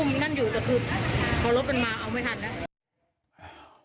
แม้เขาอุ่มอยู่เพราะโลกกันมาเอาไม่ทันแล้ว